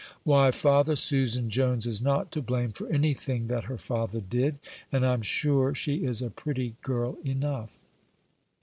"Why, father, Susan Jones is not to blame for any thing that her father did; and I'm sure she is a pretty girl enough."